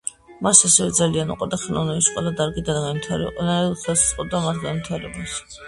მას ასევე ძალიან უყვარდა ხელოვნების ყველა დარგი და ყველანაირად ხელს უწყობდა მათ განვითარებას.